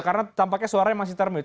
karena tampaknya suaranya masih termute